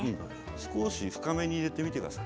少し深めに入れてください。